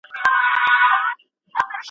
ما مخکي ډوډۍ پخه کړې وه.